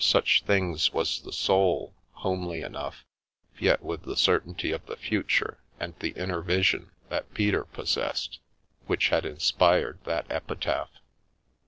00 An Epitaph things was the soul — homely enough, yet with the cer tainty of the future and the inner vision that Peter pos sessed, which had inspired that epitaph.